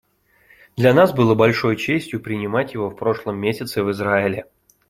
Для нас было большой честью принимать его в прошлом месяце в Израиле.